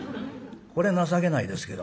これ情けないですけどもね。